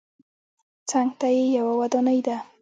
څنګ ته یې یوه ودانۍ ده.